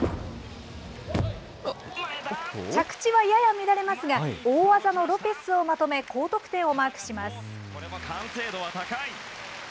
着地はやや乱れますが、大技のロペスをまとめ、高得点をマークします。